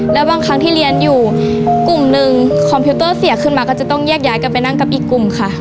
แล้วบางครั้งที่เรียนอยู่กลุ่มหนึ่งคอมพิวเตอร์เสียขึ้นมาก็จะต้องแยกย้ายกันไปนั่งกับอีกกลุ่มค่ะ